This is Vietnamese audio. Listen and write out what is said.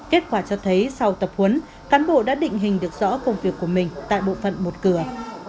kết quả cho thấy sau tập huấn cán bộ đã định hình được rõ công việc của mình tại bộ phận một cửa